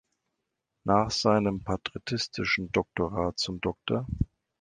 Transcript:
Nach seinem patristischen Doktorat zum "Dr.